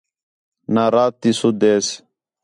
نہ رات تی سُد ہِس